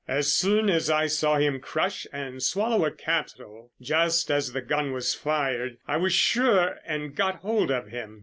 As soon as I saw him crush and swallow a capsule just as the gun was fired, I was sure, and got hold of him.